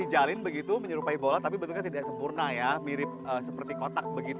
dijalin begitu menyerupai bola tapi bentuknya tidak sempurna ya mirip seperti kotak begitu